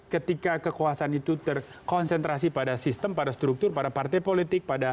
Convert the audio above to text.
ketika kekuasaan itu terkonsentrasi pada sistem pada struktur pada partai politik pada